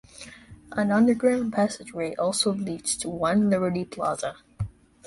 An underground passageway also leads to One Liberty Plaza.